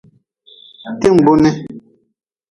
Ti-n gbuu ni.